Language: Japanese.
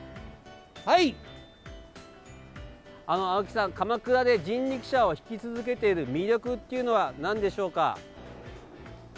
青木さん、鎌倉で人力車を引き続けている魅力というのはなんでしょうか。